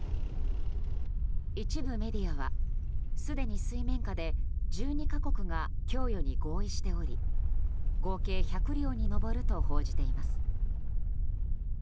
一部メディアはすでに水面下で１２か国が供与に合意しており合計１００両に上ると報じています。